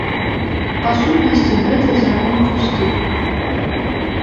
Па сутнасці, гэты закон пусты.